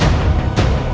aku akan menang